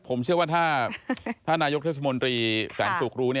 ผมเชื่อว่าถ้านายกเทศมนตรีแสนสุกรู้